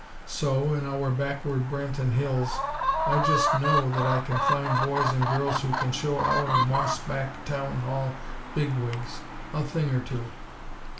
So, in our backward Branton Hills, I just know that I can find boys and girls who can show our old moss back Town Hall big wigs a thing or two.